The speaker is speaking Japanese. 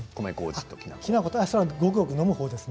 それはごくごく飲むほうです。